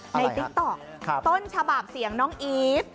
ติ๊กต๊อกต้นฉบับเสียงน้องอีฟ